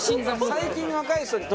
最近若い人に。